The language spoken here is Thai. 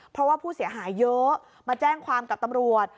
เพราะว่าผู้เสียหายเยอะมาแจ้งความกับตำรวจ